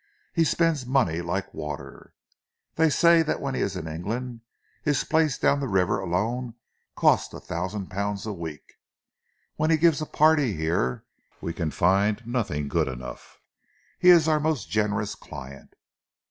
He spends money like water. They say that when he is in England, his place down the river alone costs a thousand pounds a week. When he gives a party here, we can find nothing good enough. He is our most generous client."